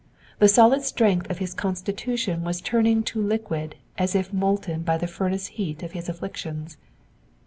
The solid strength of his constitution was turning to liquid as if molten by the furnace heat of his afflictions.